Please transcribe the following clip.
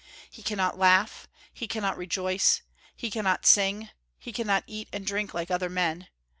He cannot laugh, he cannot rejoice, he cannot sing, he cannot eat and drink like other men.